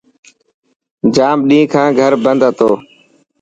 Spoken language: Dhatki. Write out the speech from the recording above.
ڄام ڏينهن کان گهر بندو هتو.